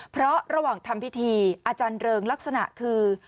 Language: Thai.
เพราะระหว่างทำพิธีอาจารย์เริงลักษณะคือ